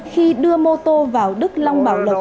khi đưa mô tô vào đức long bảo lộc